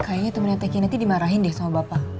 kayanya temennya kinanti dimarahin deh sama bapak